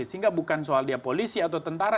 sehingga bukan soal dia polisi atau tentara